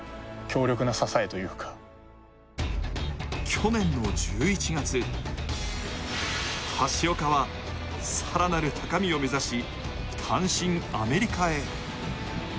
去年の１１月、橋岡は更なる高みを目指し単身、アメリカへ。